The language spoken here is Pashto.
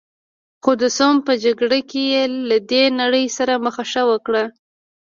خو د سوم په جګړه کې یې له دې نړۍ سره مخه ښه وکړه.